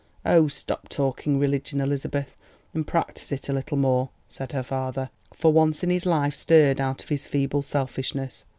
"Oh, stop talking religion, Elizabeth, and practise it a little more!" said her father, for once in his life stirred out of his feeble selfishness.